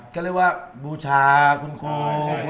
ก็เรียกว่าบูชาคุณครู